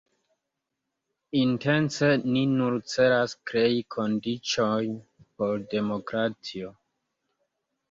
Intence ni nur celas krei kondiĉojn por demokratio.